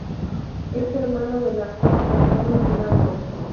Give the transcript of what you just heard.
Es hermano del actor Fernando Vivanco.